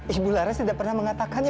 ibu laras tidak pernah mengatakannya